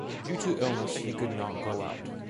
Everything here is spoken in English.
Due to illness, he could not go out.